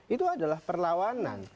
itu adalah perlawanan